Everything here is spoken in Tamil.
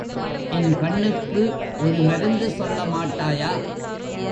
என் கண்ணுக்கு ஒரு மருந்து சொல்ல மாட்டாயா?